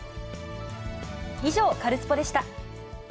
以上、カルスポっ！でした。